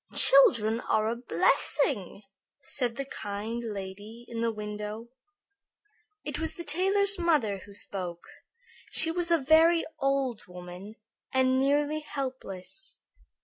"Children are a blessing," said the kind lady in the window. It was the tailor's mother who spoke. She was a very old woman and nearly helpless.